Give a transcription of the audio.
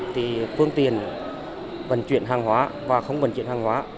thì phương tiện vận chuyển hàng hóa và không vận chuyển hàng hóa